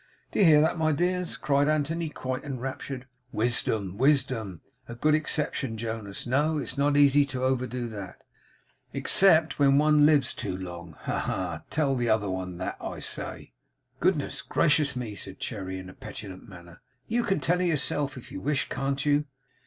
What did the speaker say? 'Do you hear that, my dears?' cried Anthony, quite enraptured. 'Wisdom, wisdom! A good exception, Jonas. No. It's not easy to overdo that.' 'Except,' whispered Mr Jonas to his favourite cousin, 'except when one lives too long. Ha, ha! Tell the other one that I say!' 'Good gracious me!' said Cherry, in a petulant manner. 'You can tell her yourself, if you wish, can't you?